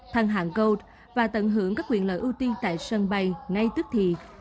thăng hạng gold và tận hưởng các quyền sản xuất